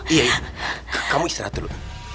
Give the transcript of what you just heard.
iya iya kamu istirahat dulu